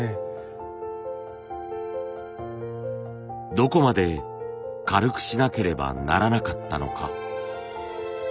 どこまで軽くしなければならなかったのか？